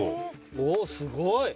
おおすごい！